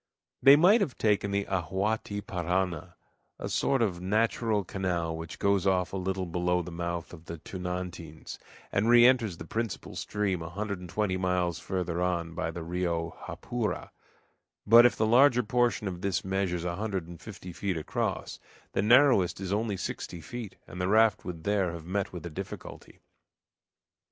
They might have taken the Ahuaty Parana, a sort of natural canal, which goes off a little below the mouth of the Tunantins, and re enters the principal stream a hundred an twenty miles further on by the Rio Japura; but if the larger portion of this measures a hundred and fifty feet across, the narrowest is only sixty feet, and the raft would there have met with a difficulty.